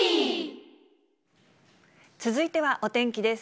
続いてはお天気です。